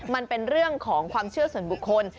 มันเป็นเรื่องของความเชื่อส่วนบุคคล